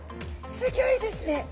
すギョいですね！